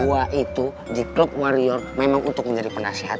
gue itu di club warrior memang untuk menjadi penasihat